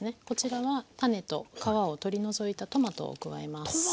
こちらは種と皮を取り除いたトマトを加えます。